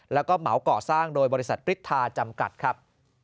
แล้วก็เหมาก่อสร้างโดยบริษัทริทาจำกัดครับ